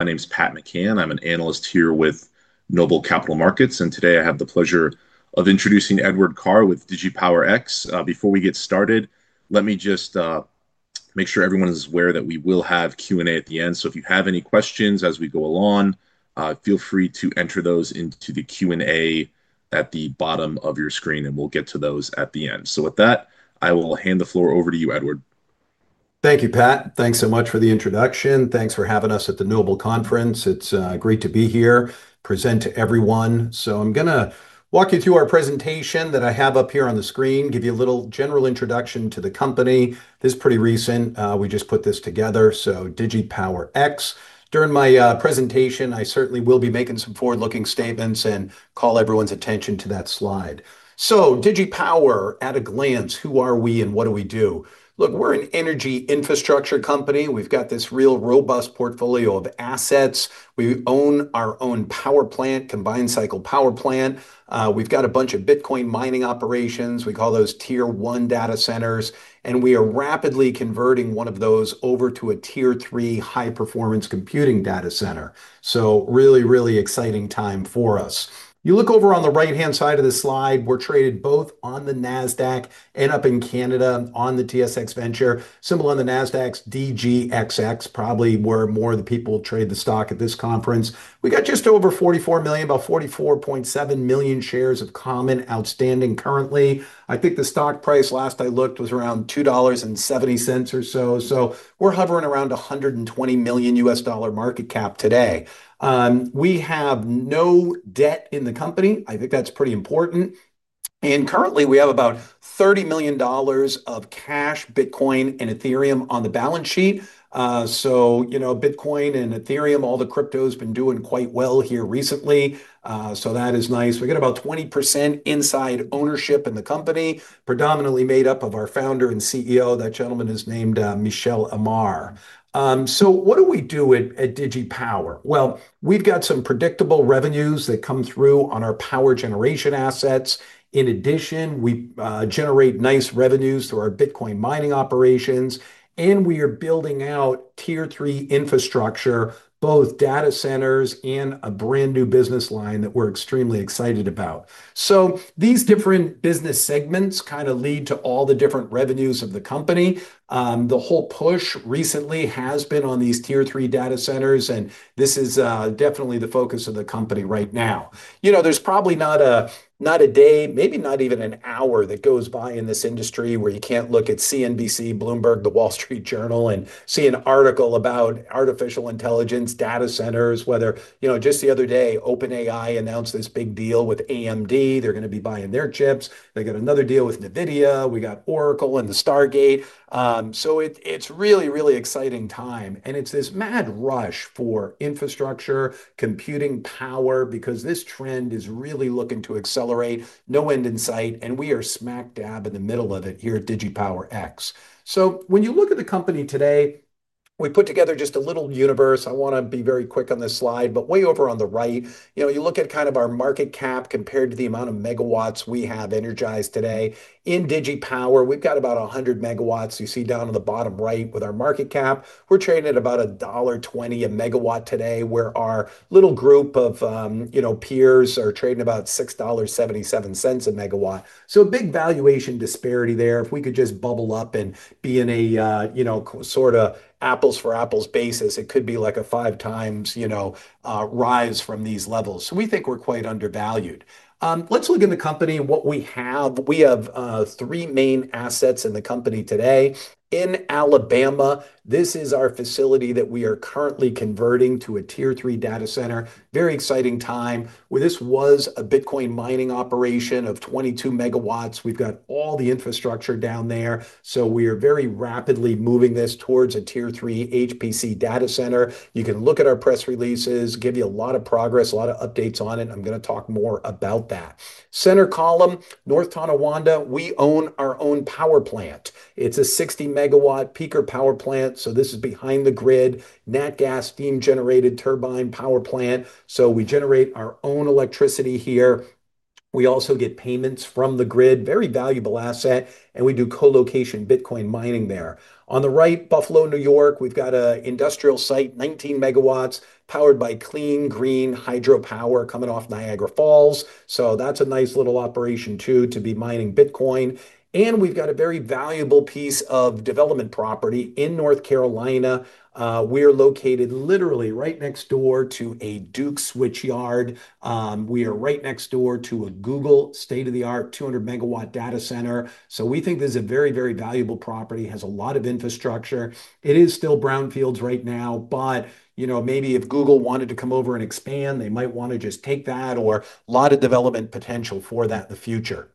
My name is Pat McKeon. I'm an analyst here with Noble Capital Markets, and today I have the pleasure of introducing Edward Karr with DigiPower X. Before we get started, let me just make sure everyone is aware that we will have Q&A at the end, so if you have any questions as we go along, feel free to enter those into the Q&A at the bottom of your screen, and we'll get to those at the end. With that, I will hand the floor over to you, Edward. Thank you, Pat. Thanks so much for the introduction. Thanks for having us at the Noble Conference. It's great to be here to present to everyone. I'm going to walk you through our presentation that I have up here on the screen, to give you a little general introduction to the company. This is pretty recent. We just put this together, DigiPower X. During my presentation, I certainly will be making some forward-looking statements and call everyone's attention to that slide. DigiPower, at a glance, who are we and what do we do? We're an energy infrastructure company. We've got this real robust portfolio of assets. We own our own power plant, combined cycle power plant. We've got a bunch of Bitcoin mining operations. We call those Tier 1 data centers, and we are rapidly converting one of those over to a Tier 3 high-performance computing data center. Really, really exciting time for us. You look over on the right-hand side of the slide, we're traded both on the NASDAQ and up in Canada on the TSX Venture. On the NASDAQ it's DGXX, probably where more of the people trade the stock at this conference. We've got just over 44 million, about 44.7 million shares of common outstanding currently. I think the stock price last I looked was around $2.70 or so. We're hovering around $120 million U.S. dollar market cap today. We have no debt in the company. I think that's pretty important. Currently, we have about $30 million of cash, Bitcoin, and Ethereum on the balance sheet. Bitcoin and Ethereum, all the cryptos have been doing quite well here recently. That is nice. We've got about 20% inside ownership in the company, predominantly made up of our founder and CEO. That gentleman is named Michel Amar. What do we do at DigiPower? We've got some predictable revenues that come through on our power generation assets. In addition, we generate nice revenues through our Bitcoin mining operations, and we are building out Tier 3 infrastructure, both data centers and a brand new business line that we're extremely excited about. These different business segments kind of lead to all the different revenues of the company. The whole push recently has been on these Tier 3 data centers, and this is definitely the focus of the company right now. You know, there's probably not a day, maybe not even an hour that goes by in this industry where you can't look at CNBC, Bloomberg, The Wall Street Journal, and see an article about artificial intelligence data centers. Whether, you know, just the other day, OpenAI announced this big deal with AMD. They're going to be buying their chips. They got another deal with NVIDIA. We got Oracle and the Stargate. It's really, really exciting time. It's this mad rush for infrastructure, computing power, because this trend is really looking to accelerate. No end in sight, and we are smack dab in the middle of it here at DigiPower X. When you look at the company today, we put together just a little universe. I want to be very quick on this slide, but way over on the right, you look at kind of our market cap compared to the amount of megawatts we have energized today. In Digi Power X, we've got about 100 MW. You see down on the bottom right with our market cap, we're trading at about $1.20 a megawatt today, where our little group of peers are trading about $6.77 a megawatt. A big valuation disparity there. If we could just bubble up and be in a sort of apples for apples basis, it could be like a five times rise from these levels. We think we're quite undervalued. Let's look at the company and what we have. We have three main assets in the company today. In Alabama, this is our facility that we are currently converting to a Tier 3 data center. Very exciting time. This was a Bitcoin mining operation of 22 MW. We've got all the infrastructure down there. We are very rapidly moving this towards a Tier 3 HPC data center. You can look at our press releases, give you a lot of progress, a lot of updates on it. I'm going to talk more about that. Center column, North Tonawanda, we own our own power plant. It's a 60 MW peaker power plant. This is behind the grid, nat gas steam generated turbine power plant. We generate our own electricity here. We also get payments from the grid, very valuable asset, and we do colocation Bitcoin mining there. On the right, Buffalo, New York, we've got an industrial site, 19 MW, powered by clean green hydropower coming off Niagara Falls. That's a nice little operation too, to be mining Bitcoin. We've got a very valuable piece of development property in North Carolina. We are located literally right next door to a Duke's switch yard. We are right next door to a Google state-of-the-art 200 MW data center. We think this is a very, very valuable property, has a lot of infrastructure. It is still brownfields right now, but maybe if Google wanted to come over and expand, they might want to just take that or a lot of development potential for that in the future.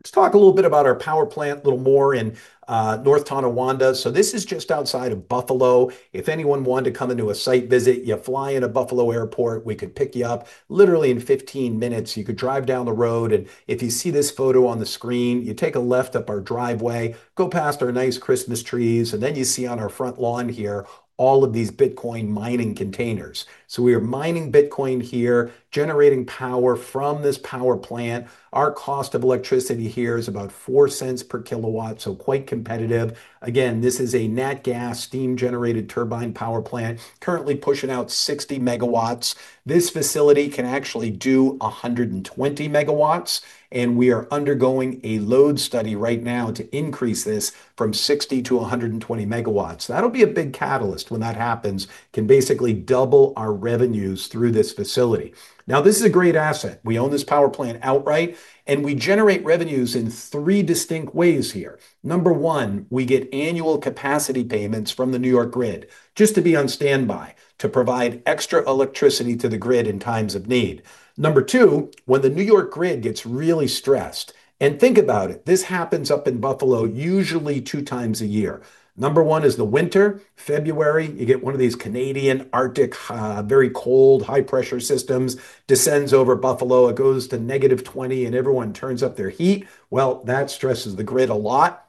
Let's talk a little bit about our power plant a little more in North Tonawanda. This is just outside of Buffalo. If anyone wanted to come into a site visit, you fly into Buffalo Airport, we could pick you up literally in 15 minutes. You could drive down the road, and if you see this photo on the screen, you take a left up our driveway, go past our nice Christmas trees, and then you see on our front lawn here all of these Bitcoin mining containers. We are mining Bitcoin here, generating power from this power plant. Our cost of electricity here is about $0.04 per kilowatt, so quite competitive. This is a nat gas steam generated turbine power plant, currently pushing out 60 MW. This facility can actually do 120 MW, and we are undergoing a load study right now to increase this from 60 MW-120 MW. That will be a big catalyst when that happens, can basically double our revenues through this facility. This is a great asset. We own this power plant outright, and we generate revenues in three distinct ways here. Number one, we get annual capacity payments from the New York grid, just to be on standby, to provide extra electricity to the grid in times of need. Number two, when the New York grid gets really stressed, and think about it, this happens up in Buffalo usually two times a year. Number one is the winter, February, you get one of these Canadian Arctic, very cold, high-pressure systems, descends over Buffalo, it goes to negative 20, and everyone turns up their heat. That stresses the grid a lot.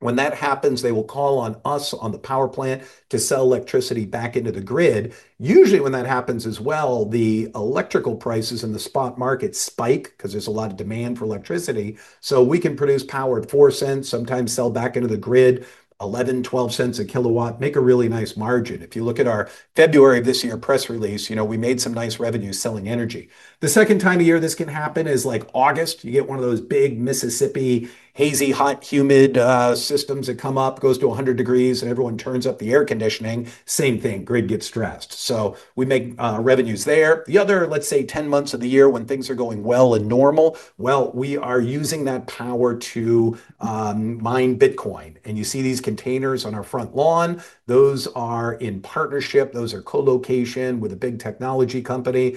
When that happens, they will call on us on the power plant to sell electricity back into the grid. Usually, when that happens as well, the electrical prices in the spot market spike because there is a lot of demand for electricity. We can produce power at $0.04, sometimes sell back into the grid at $0.11, $0.12 a kilowatt, make a really nice margin. If you look at our February of this year press release, we made some nice revenues selling energy. The second time of year this can happen is like August, you get one of those big Mississippi hazy, hot, humid systems that come up, goes to 100 degrees, and everyone turns up the air conditioning. Same thing, grid gets stressed. We make revenues there. The other, let's say, 10 months of the year when things are going well and normal, we are using that power to mine Bitcoin. You see these containers on our front lawn, those are in partnership, those are colocation with a big technology company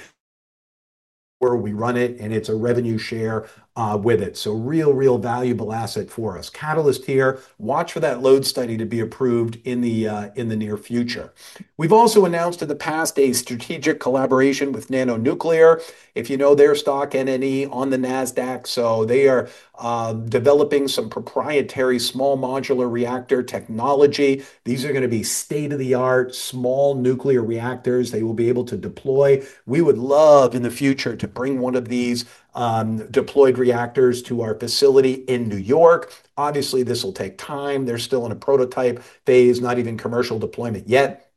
where we run it, and it's a revenue share with it. Real, real valuable asset for us. Catalyst here, watch for that load study to be approved in the near future. We've also announced in the past a strategic collaboration with Nano Nuclear. If you know their stock, NNE, on the NASDAQ, they are developing some proprietary small modular reactor technology. These are going to be state-of-the-art small nuclear reactors they will be able to deploy. We would love in the future to bring one of these deployed reactors to our facility in New York. Obviously, this will take time. They're still in a prototype phase, not even commercial deployment yet.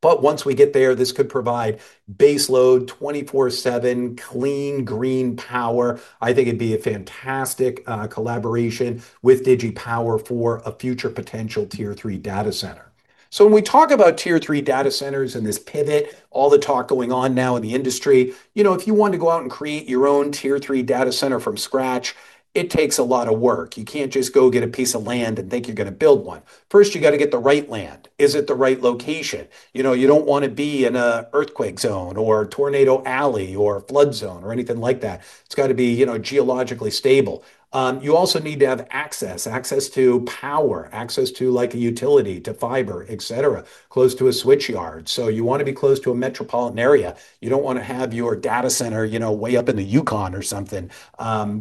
Once we get there, this could provide baseload 24/7 clean green power. I think it'd be a fantastic collaboration with DigiPower for a future potential Tier 3 data center. When we talk about Tier 3 data centers and this pivot, all the talk going on now in the industry, if you want to go out and create your own Tier 3 data center from scratch, it takes a lot of work. You can't just go get a piece of land and think you're going to build one. First, you got to get the right land. Is it the right location? You don't want to be in an earthquake zone or a tornado alley or a flood zone or anything like that. It's got to be geologically stable. You also need to have access, access to power, access to a utility, to fiber, etc., close to a switch yard. You want to be close to a metropolitan area. You don't want to have your data center way up in the Yukon or something,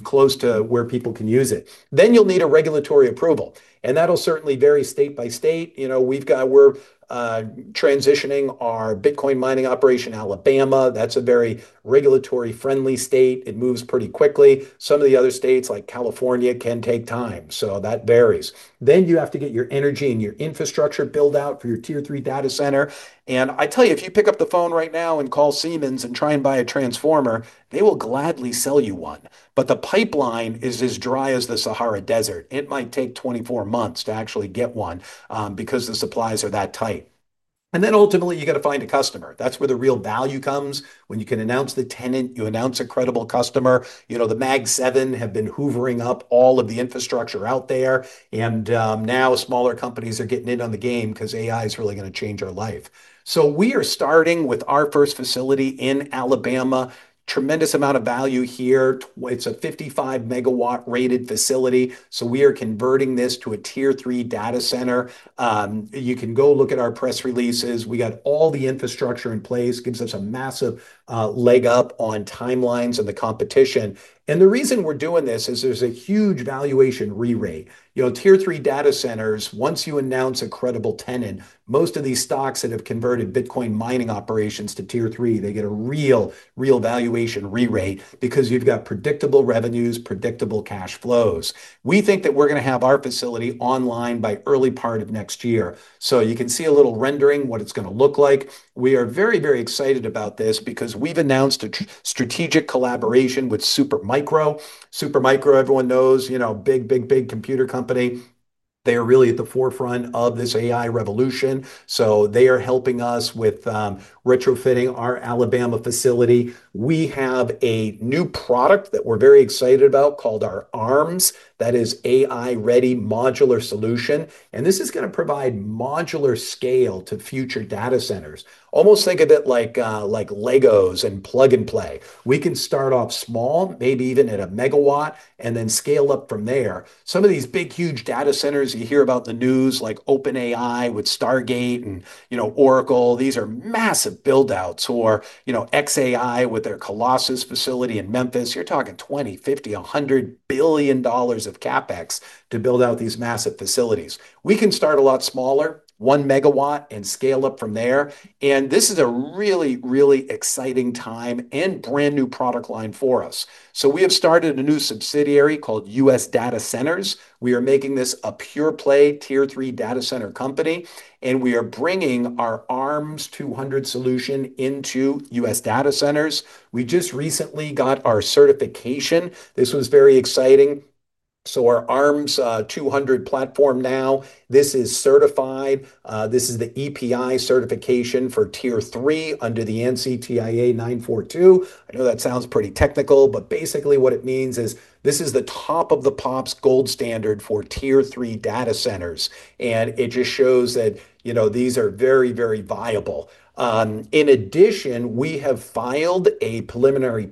close to where people can use it. You'll need a regulatory approval. That'll certainly vary state by state. We're transitioning our Bitcoin mining operation in Alabama. That's a very regulatory-friendly state. It moves pretty quickly. Some of the other states like California can take time. That varies. You have to get your energy and your infrastructure built out for your Tier 3 data center. If you pick up the phone right now and call Siemens and try and buy a transformer, they will gladly sell you one. The pipeline is as dry as the Sahara Desert. It might take 24 months to actually get one because the supplies are that tight. Ultimately, you have to find a customer. That's where the real value comes. When you can announce the tenant, you announce a credible customer. The Mag 7 have been hoovering up all of the infrastructure out there. Now smaller companies are getting in on the game because AI is really going to change our life. We are starting with our first facility in Alabama. Tremendous amount of value here. It's a 55 MW rated facility. We are converting this to a Tier 3 data center. You can go look at our press releases. We got all the infrastructure in place. It gives us a massive leg up on timelines and the competition. The reason we're doing this is there's a huge valuation re-rate. Tier 3 data centers, once you announce a credible tenant, most of these stocks that have converted Bitcoin mining operations to Tier 3, they get a real, real valuation re-rate because you've got predictable revenues, predictable cash flows. We think that we're going to have our facility online by early part of next year. You can see a little rendering what it's going to look like. We are very, very excited about this because we've announced a strategic collaboration with Supermicro. Supermicro, everyone knows, a big, big, big computer company. They are really at the forefront of this AI revolution. They are helping us with retrofitting our Alabama facility. We have a new product that we're very excited about called our ARMS. That is AI Ready Modular Solution. This is going to provide modular scale to future data centers. Almost think of it like Legos and Plug and Play. We can start off small, maybe even at a megawatt, and then scale up from there. Some of these big, huge data centers you hear about in the news, like OpenAI with Stargate and Oracle, these are massive build-outs. xAI with their Colossus facility in Memphis, you're talking $20 billion, $50 billion, $100 billion of CapEx to build out these massive facilities. We can start a lot smaller, 1 MW, and scale up from there. This is a really, really exciting time and brand new product line for us. We have started a new subsidiary called U.S. Data Centers. We are making this a pure play Tier 3 data center company, and we are bringing our ARMS 200 solution into U.S. Data Centers. We just recently got our certification. This was very exciting. Our ARMS 200 platform now, this is certified. This is the EPI certification for Tier 3 under the ANSI/TIA-942. I know that sounds pretty technical, but basically what it means is this is the top of the pops gold standard for Tier 3 data centers. It just shows that these are very, very viable. In addition, we have filed a provisional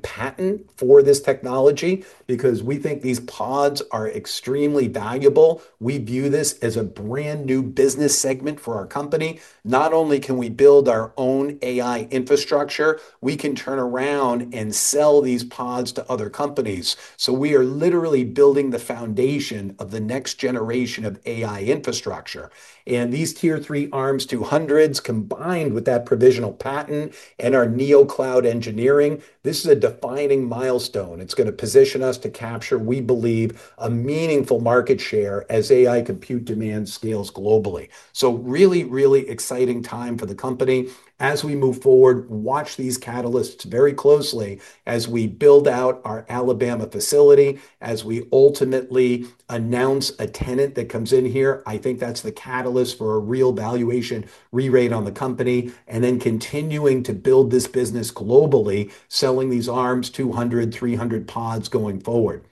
patent for this technology because we think these pods are extremely valuable. We view this as a brand new business segment for our company. Not only can we build our own AI infrastructure, we can turn around and sell these pods to other companies. We are literally building the foundation of the next generation of AI infrastructure. These Tier 3 ARMS 200s, combined with that provisional patent and our NeoCloud engineering, this is a defining milestone. It's going to position us to capture, we believe, a meaningful market share as AI compute demand scales globally. Really, really exciting time for the company. As we move forward, watch these catalysts very closely as we build out our Alabama facility, as we ultimately announce a tenant that comes in here. I think that's the catalyst for a real valuation re-rate on the company and then continuing to build this business globally, selling these ARMS 200, 300 pods going forward.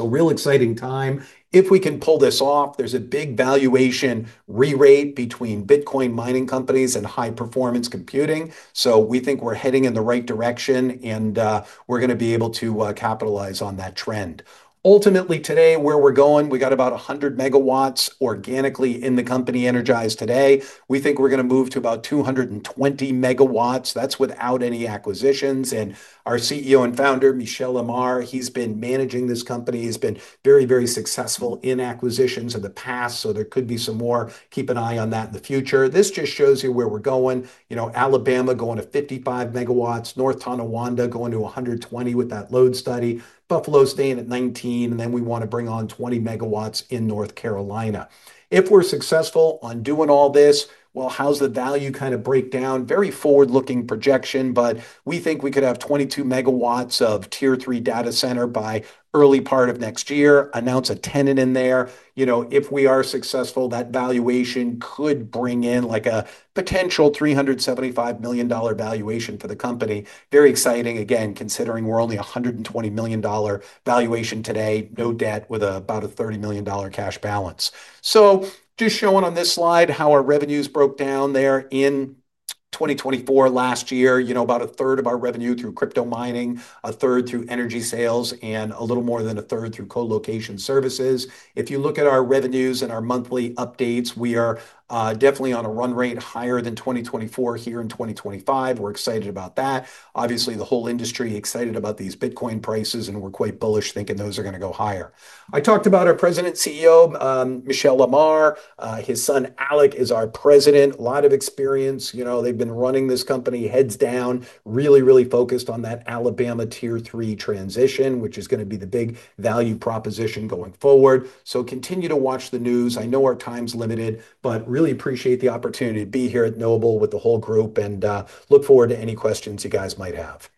Real exciting time. If we can pull this off, there's a big valuation re-rate between Bitcoin mining companies and high-performance computing. We think we're heading in the right direction and we're going to be able to capitalize on that trend. Ultimately, today where we're going, we got about 100 MW organically in the company energized today. We think we're going to move to about 220 MW. That's without any acquisitions. Our CEO and founder, Michel Amar, he's been managing this company. He's been very, very successful in acquisitions in the past. There could be some more. Keep an eye on that in the future. This just shows you where we're going. Alabama going to 55 MW, North Tonawanda going to 120 MW with that load study, Buffalo staying at 19 MW, and then we want to bring on 20 MW in North Carolina. If we're successful on doing all this, how's the value kind of break down? Very forward-looking projection, but we think we could have 22 MW of Tier 3 data center by early part of next year, announce a tenant in there. If we are successful, that valuation could bring in like a potential $375 million valuation for the company. Very exciting, again, considering we're only a $120 million valuation today, no debt with about a $30 million cash balance. Just showing on this slide how our revenues broke down there in 2024 last year, about 1/3 of our revenue through crypto mining, 1/3 through energy sales, and a little more than 1/3 through colocation services. If you look at our revenues and our monthly updates, we are definitely on a run rate higher than 2024 here in 2025. We're excited about that. Obviously, the whole industry is excited about these Bitcoin prices, and we're quite bullish thinking those are going to go higher. I talked about our President and CEO, Michel Amar. His son, Alec, is our President. A lot of experience. They've been running this company heads down, really, really focused on that Alabama Tier 3 transition, which is going to be the big value proposition going forward. Continue to watch the news. I know our time's limited, but really appreciate the opportunity to be here at Noble with the whole group and look forward to any questions you guys might have.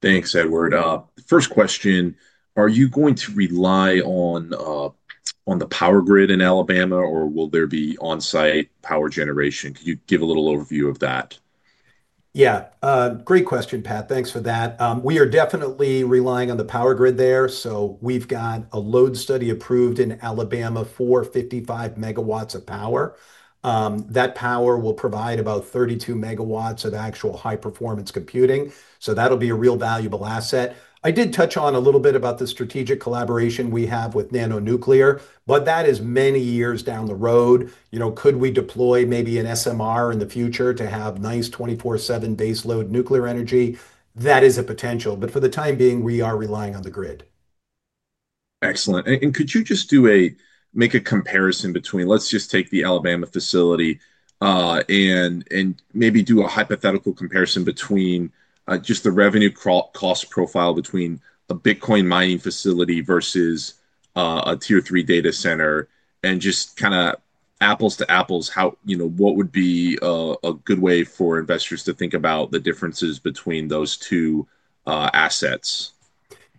Thanks, Edward. First question, are you going to rely on the power grid in Alabama or will there be on-site power generation? Could you give a little overview of that? Yeah, great question, Pat. Thanks for that. We are definitely relying on the power grid there. We've got a load study approved in Alabama for 55 MW of power. That power will provide about 32 MW of actual high-performance computing. That'll be a real valuable asset. I did touch on a little bit about the strategic collaboration we have with Nano Nuclear, but that is many years down the road. You know, could we deploy maybe an SMR in the future to have nice 24/7 baseload nuclear energy? That is a potential, but for the time being, we are relying on the grid. Excellent. Could you just do a, make a comparison between, let's just take the Alabama facility and maybe do a hypothetical comparison between just the revenue cost profile between a Bitcoin mining facility versus a Tier 3 data center and just kind of apples to apples. How, you know, what would be a good way for investors to think about the differences between those two assets?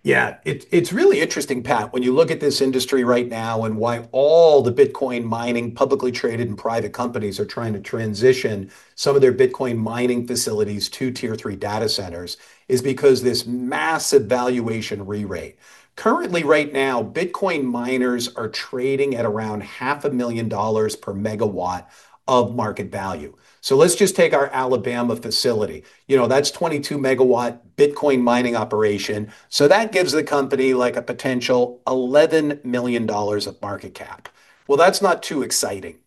Yeah, it's really interesting, Pat, when you look at this industry right now and why all the Bitcoin mining publicly traded and private companies are trying to transition some of their Bitcoin mining facilities to Tier 3 data centers is because of this massive valuation re-rate. Currently, right now, Bitcoin miners are trading at around $500,000 per megawatt of market value. Let's just take our Alabama facility. You know, that's a 22 MW Bitcoin mining operation. That gives the company like a potential $11 million of market cap. That's not too exciting.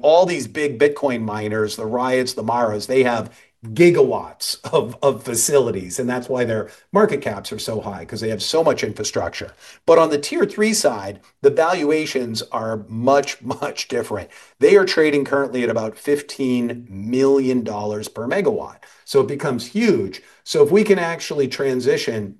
All these big Bitcoin miners, the Riotts, the MARAs, they have gigawatts of facilities, and that's why their market caps are so high because they have so much infrastructure. On the Tier 3 side, the valuations are much, much different. They are trading currently at about $15 million per megawatt. It becomes huge. If we can actually transition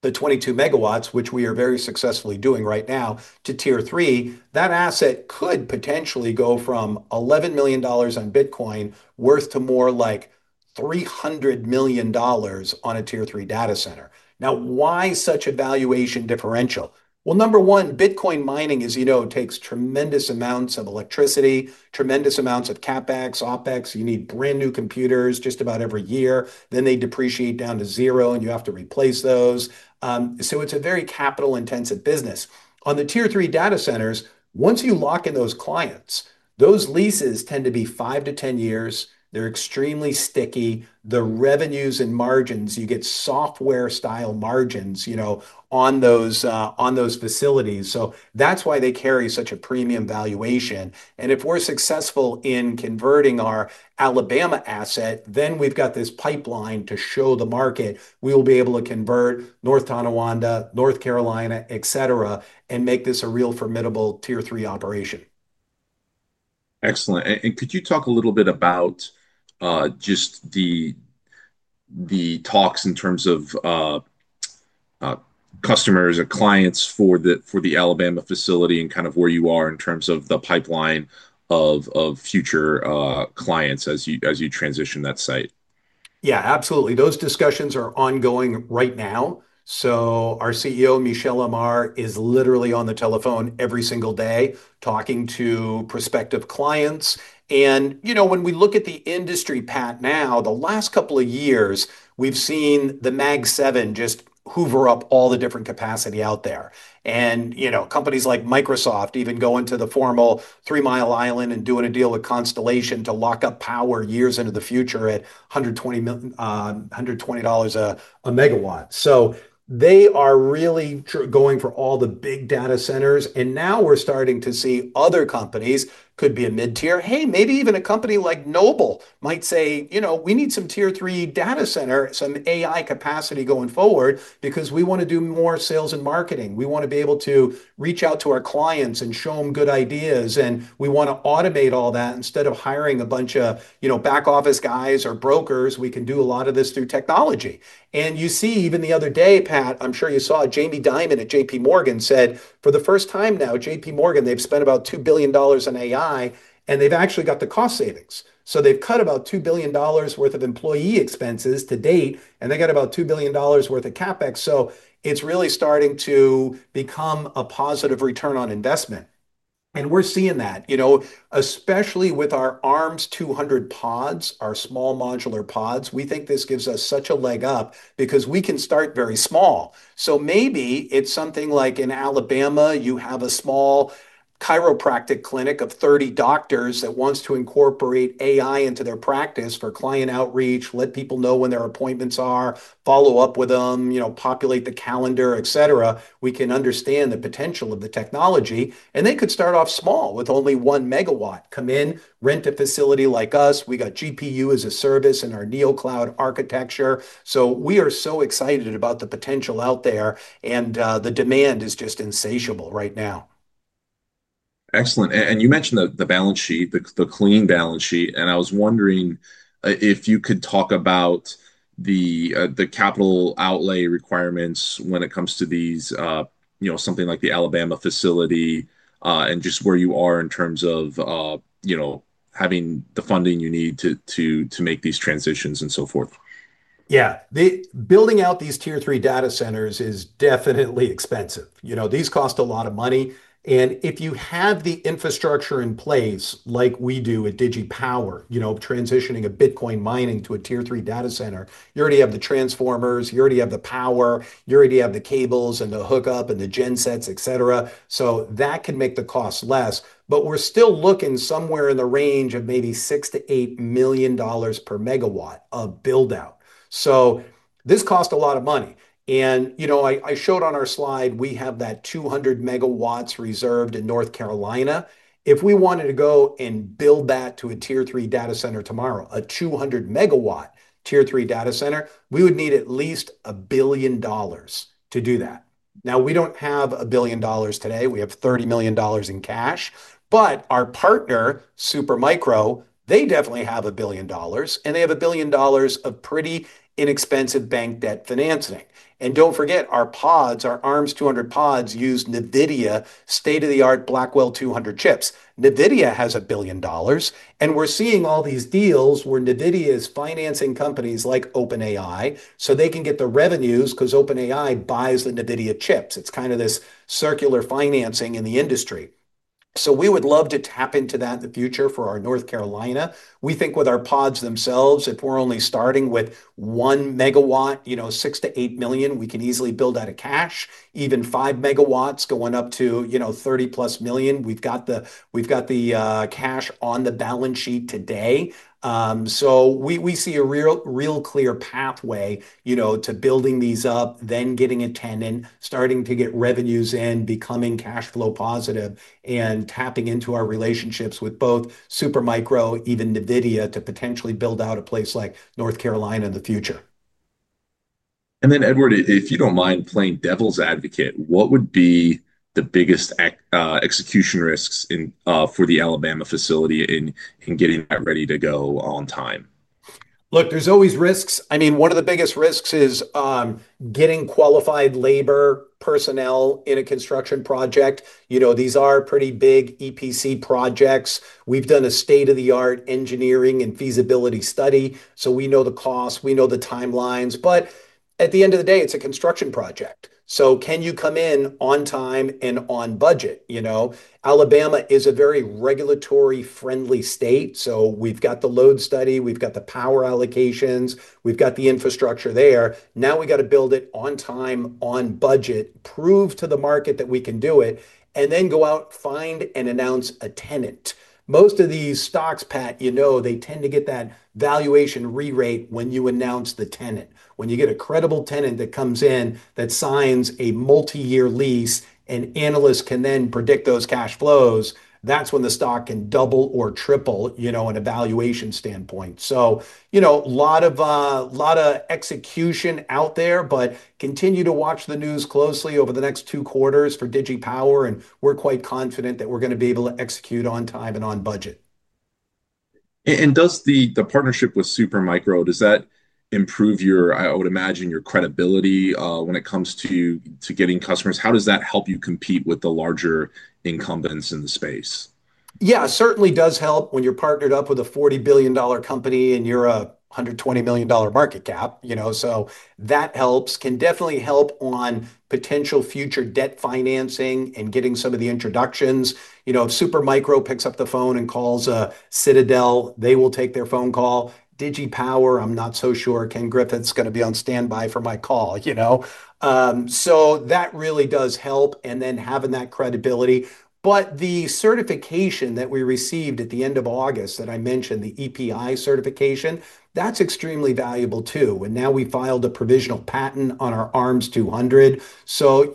the 22 MW, which we are very successfully doing right now, to Tier 3, that asset could potentially go from $11 million on Bitcoin worth to more like $300 million on a Tier 3 data center. Now, why such a valuation differential? Number one, Bitcoin mining, as you know, takes tremendous amounts of electricity, tremendous amounts of CapEx, OpEx. You need brand new computers just about every year. Then they depreciate down to zero and you have to replace those. It's a very capital-intensive business. On the Tier 3 data centers, once you lock in those clients, those leases tend to be five to 10 years. They're extremely sticky. The revenues and margins, you get software-style margins, you know, on those facilities. That's why they carry such a premium valuation. If we're successful in converting our Alabama asset, then we've got this pipeline to show the market. We will be able to convert North Tonawanda, North Carolina, et cetera, and make this a real formidable Tier 3 operation. Excellent. Could you talk a little bit about the talks in terms of customers or clients for the Alabama facility and where you are in terms of the pipeline of future clients as you transition that site? Yeah, absolutely. Those discussions are ongoing right now. Our CEO, Michel Amar, is literally on the telephone every single day talking to prospective clients. When we look at the industry, Pat, now, the last couple of years, we've seen the Mag 7 just hoover up all the different capacity out there. Companies like Microsoft are even going to the formal Three Mile Island and doing a deal with Constellation to lock up power years into the future at $120 a megawatt. They are really going for all the big data centers. Now we're starting to see other companies, could be a mid-tier, hey, maybe even a company like Noble might say, you know, we need some Tier 3 data center, some AI capacity going forward because we want to do more sales and marketing. We want to be able to reach out to our clients and show them good ideas. We want to automate all that instead of hiring a bunch of, you know, back office guys or brokers. We can do a lot of this through technology. You see, even the other day, Pat, I'm sure you saw Jamie Dimon at JP Morgan said, for the first time now, JP Morgan, they've spent about $2 billion in AI, and they've actually got the cost savings. They've cut about $2 billion worth of employee expenses to date, and they got about $2 billion worth of CapEx. It's really starting to become a positive return on investment. We're seeing that, especially with our ARMS 200 pods, our small modular pods. We think this gives us such a leg up because we can start very small. Maybe it's something like in Alabama, you have a small chiropractic clinic of 30 doctors that wants to incorporate AI into their practice for client outreach, let people know when their appointments are, follow up with them, populate the calendar, et cetera, we can understand the potential of the technology, and they could start off small with only one megawatt, come in, rent a facility like us. We got GPU as a service in our NeoCloud architecture. We are so excited about the potential out there, and the demand is just insatiable right now. Excellent. You mentioned the balance sheet, the clean balance sheet. I was wondering if you could talk about the capital outlay requirements when it comes to these, you know, something like the Alabama facility and just where you are in terms of, you know, having the funding you need to make these transitions and so forth. Yeah, building out these Tier 3 data centers is definitely expensive. These cost a lot of money. If you have the infrastructure in place, like we do at DigiPower, transitioning a Bitcoin mining to a Tier 3 data center, you already have the transformers, you already have the power, you already have the cables and the hookup and the gen sets, et cetera, that can make the cost less. We're still looking somewhere in the range of maybe $6-$8 million per megawatt of build-out. This costs a lot of money. I showed on our slide, we have that 200 MW reserved in North Carolina. If we wanted to go and build that to a Tier 3 data center tomorrow, a 200 MW Tier 3 data center, we would need at least $1 billion to do that. We don't have $1 billion today. We have $30 million in cash, but our partner, Supermicro, they definitely have $1 billion, and they have $1 billion of pretty inexpensive bank debt financing. Don't forget our pods, our ARMS 200 pods use NVIDIA state-of-the-art Blackwell 200 chips. NVIDIA has $1 billion, and we're seeing all these deals where NVIDIA is financing companies like OpenAI so they can get the revenues because OpenAI buys the NVIDIA chips. It's kind of this circular financing in the industry. We would love to tap into that in the future for our North Carolina. We think with our pods themselves, if we're only starting with one megawatt, $6-$8 million, we could easily build out of cash. Even 5 MW going up to $30+ million. We've got the cash on the balance sheet today. We see a real clear pathway to building these up, then getting a tenant, starting to get revenues in, becoming cash flow positive, and tapping into our relationships with both Supermicro, even NVIDIA, to potentially build out a place like North Carolina in the future. Edward, if you don't mind playing devil's advocate, what would be the biggest execution risks for the Alabama facility in getting that ready to go on time? Look, there's always risks. I mean, one of the biggest risks is getting qualified labor personnel in a construction project. These are pretty big EPC projects. We've done a state-of-the-art engineering and feasibility study. We know the cost, we know the timelines. At the end of the day, it's a construction project. Can you come in on time and on budget? Alabama is a very regulatory-friendly state. We've got the load study, we've got the power allocations, we've got the infrastructure there. Now we got to build it on time, on budget, prove to the market that we can do it, and then go out, find, and announce a tenant. Most of these stocks, Pat, they tend to get that valuation re-rate when you announce the tenant. When you get a credible tenant that comes in, that signs a multi-year lease, and analysts can then predict those cash flows, that's when the stock can double or triple in a valuation standpoint. A lot of execution out there, but continue to watch the news closely over the next two quarters for DigiPower, and we're quite confident that we're going to be able to execute on time and on budget. Does the partnership with Supermicro improve your, I would imagine, your credibility when it comes to getting customers? How does that help you compete with the larger incumbents in the space? Yeah, it certainly does help when you're partnered up with a $40 billion company and you're a $120 million market cap, you know, so that helps. Can definitely help on potential future debt financing and getting some of the introductions. You know, if Supermicro picks up the phone and calls a Citadel, they will take their phone call. DigiPower, I'm not so sure Ken Griffin's going to be on standby for my call, you know. That really does help, and then having that credibility. The certification that we received at the end of August that I mentioned, the EPI certification, that's extremely valuable too. Now we filed a provisional patent on our ARMS 200.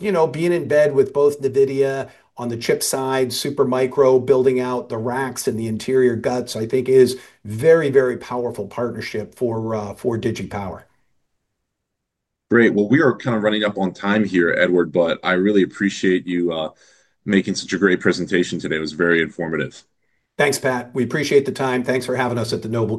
You know, being in bed with both NVIDIA on the chip side, Supermicro building out the racks and the interior guts, I think is a very, very powerful partnership for DigiPower. Great. We are kind of running up on time here, Edward, but I really appreciate you making such a great presentation today. It was very informative. Thanks, Pat. We appreciate the time. Thanks for having us at Noble Capital.